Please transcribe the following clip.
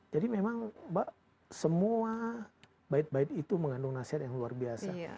jadi memang mbak semua baik baik itu mengandung nasihat yang luar biasa